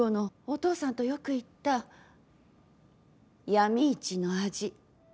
お父さんとよく行った闇市の味。